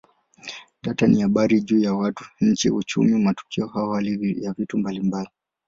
Data ni habari juu ya watu, nchi, uchumi, matukio au hali ya vitu mbalimbali.